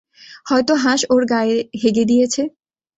হয়তো হাঁস ওর গায়ে হেগে দিয়েছে।